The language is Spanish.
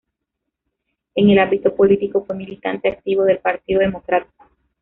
En el ámbito político fue militante activo del Partido Democrático.